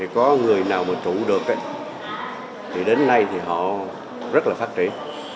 có người nào mà trụ được đến nay họ rất là phát triển